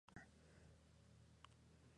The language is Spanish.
La operación no dio resultado alguno.